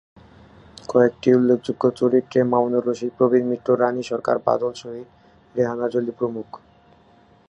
কয়েকটি উল্লেখযোগ্য চরিত্রে মামুনুর রশীদ, প্রবীর মিত্র, রানী সরকার, বাদল শহীদ, রেহানা জলি প্রমুখ।